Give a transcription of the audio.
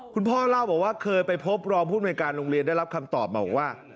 คุณพ่อเล่าบอกว่าเคยไปพบรองภูมิในการโรงเรียนได้รับคำตอบมาบอกว่า